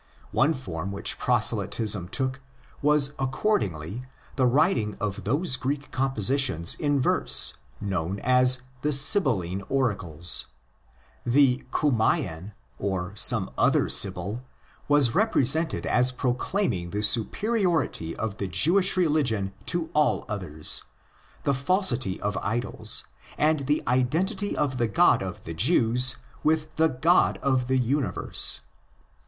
One form which proselytism took was accordingly the writing of those Greek compositions in verse known as the Sibylline Oracles. The Cumean, or σ 18 THE ORIGINS OF CHRISTIANITY some other Sibyl, was represented as proclaiming the superiority of the Jewish religion to all others, the falsity of ''idols," and the identity of the God of the Jews with the God of the universe.